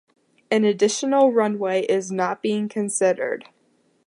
An additional runway is not being considered.